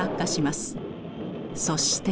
そして。